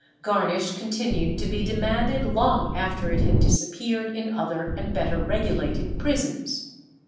Garnish continued to be demanded long after it had disappeared in other and better regulated prisons.